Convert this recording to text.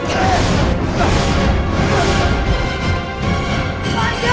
kalian semua gak boleh bunuh sirgalannya